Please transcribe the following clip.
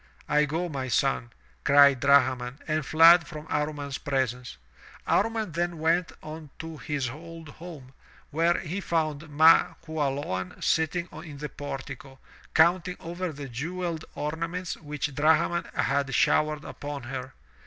"I go, my son !" cried Drahman, and fled from Amman's presence. Amman then went on to his old home, where he foimd Ma Qualoan sitting in the portico, counting over the jewelled oma ments which Drahman had showered upon her.